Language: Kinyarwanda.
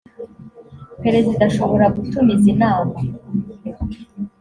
perezida ashobora gutumiza inama.